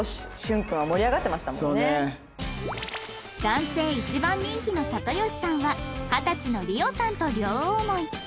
男性一番人気の里吉さんは二十歳の莉桜さんと両思い